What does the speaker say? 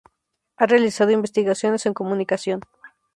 Ha realizado investigaciones en comunicación.